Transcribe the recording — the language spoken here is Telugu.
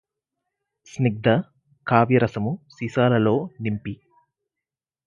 స్నిగ్ధ కావ్యరసము సీసాలలో నింపి